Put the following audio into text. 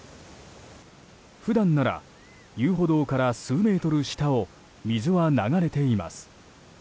普段なら、遊歩道から数メートル下を水は流れています。